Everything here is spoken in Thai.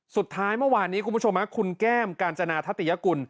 สุดท้ายเมื่อวานนี้คุณผู้ชมคุณแก้มกาญจนาทัตยกุล